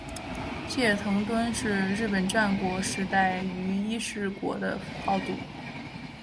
细野藤敦是日本战国时代于伊势国的豪族。